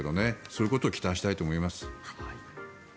そういうことを期待したいと思います。